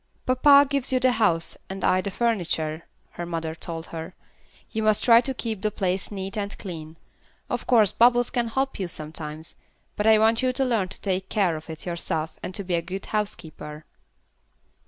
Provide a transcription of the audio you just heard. "Papa gives you the house, and I the furniture," her mother told her. "You must try to keep the place neat and clean. Of course, Bubbles can help you, sometimes, but I want you to learn to take care of it yourself and to be a good housekeeper."